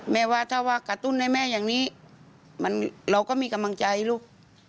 ว่าถ้าว่ากระตุ้นให้แม่อย่างนี้เราก็มีกำลังใจลูก